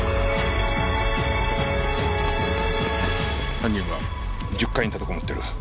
犯人は１０階に立てこもってる。